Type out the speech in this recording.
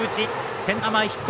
センター前ヒット。